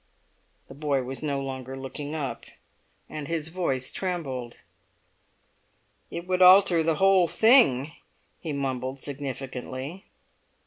The boy was no longer looking up; and his voice trembled. "It would alter the whole thing," he mumbled significantly.